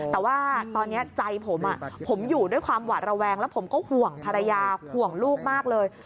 แต่ว่าตอนนี้ใจผมผมอยู่ด้วยความหวาดระแวงแล้วผมก็ห่วงภรรยาห่วงลูกมากเลย